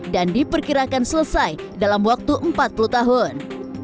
dan diperkirakan selesai dalam waktu empat puluh tahun